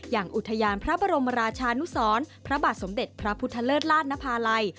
อย่างอุทยานพระบรมราชานุสรพระบาทสมเด็จพระพุทธเลิศลาดนภาลัย